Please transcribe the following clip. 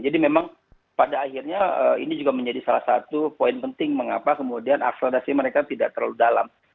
jadi memang pada akhirnya ini juga menjadi salah satu poin penting mengapa kemudian aksesorasi mereka tidak terlalu dalam